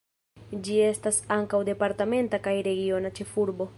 Ĝi estas ankaŭ departementa kaj regiona ĉefurbo.